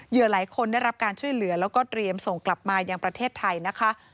หลายคนได้รับการช่วยเหลือแล้วก็เตรียมส่งกลับมายังประเทศไทยนะคะ